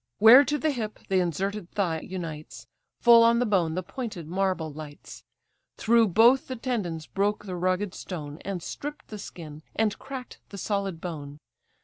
Where to the hip the inserted thigh unites, Full on the bone the pointed marble lights; Through both the tendons broke the rugged stone, And stripp'd the skin, and crack'd the solid bone.